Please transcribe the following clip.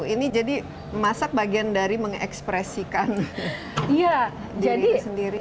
ini jadi masak bagian dari mengekspresikan diri itu sendiri